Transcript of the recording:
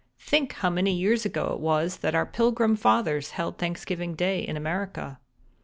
Think how many years ago it was that our Pilgrim Fathers held Thanksgiving Day in America.